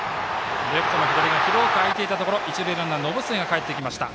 レフトの左が広く空いていたところ一塁ランナー延末がかえってきました。